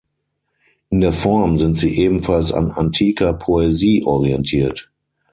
In der Form sind sie ebenfalls an antiker Poesie orientiert.